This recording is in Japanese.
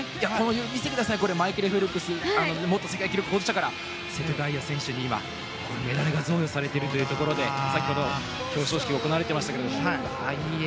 見てくださいマイケル・フェルプス元世界記録保持者から瀬戸大也選手にメダルが贈与されているということで先ほど、表彰式が行われてましたけど。